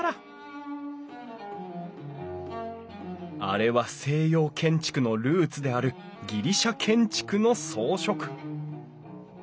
あれは西洋建築のルーツであるギリシャ建築の装飾！